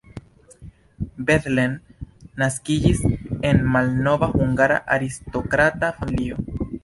Bethlen naskiĝis en malnova hungara aristokrata familio.